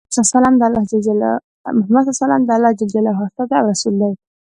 محمد ص د الله ج استازی او رسول دی.